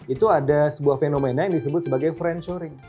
itu ada sebuah fenomena yang disebut sebagai franch shoring